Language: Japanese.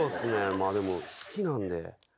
まあでも好きなんで。